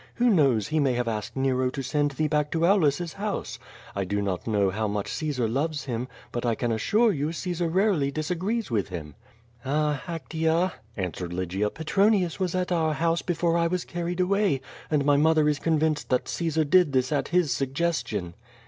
Who knows he may have asked Nero to send thee back to Aulus's house? I do not know how much Caesar loves him, but I can assure you Cae sar rarely disagrees with him.'' "Ah, Actea," answered Lygia, 'Tetronius was at our house before I was carried away, and my mother is convinced that Caesar did this at his suggestion."